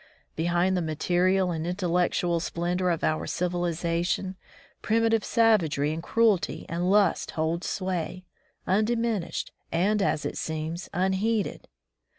Behind the material and intellectual splendor of our civilization, primitive savagery and cruelty and lust hold sway, undiminished, and as it seems, unheeded.